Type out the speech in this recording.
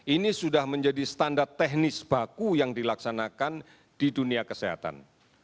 ini sudah menjadi standar teknis baku yang dilaksanakan di dunia kesehatan